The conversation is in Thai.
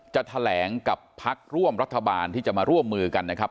จะแถลงกับพักร่วมรัฐบาลที่จะมาร่วมมือกันนะครับ